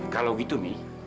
kalau gitu mi